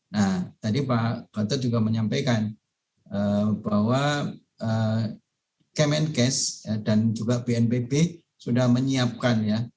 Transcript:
nah tadi pak gatot juga menyampaikan bahwa kemenkes dan juga bnpb sudah menyiapkan ya